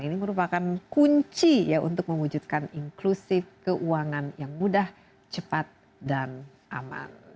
ini merupakan kunci ya untuk mewujudkan inklusif keuangan yang mudah cepat dan aman